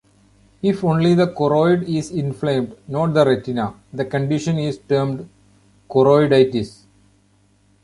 If only the choroid is inflamed, not the retina, the condition is termed choroiditis.